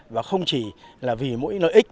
và không chỉ là vì mỗi lợi ích